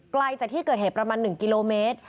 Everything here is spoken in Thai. ไกลจากที่เกิดเหตุประมาณ๑กิโลเมตร